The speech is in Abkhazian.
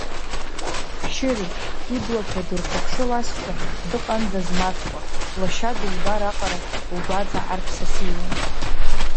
Шьыри, иблақәа дырхыԥшылазшәа дыҟандаз Маҵкәа, лашьа дылбар аҟара лгәаҵа арԥсасиуан.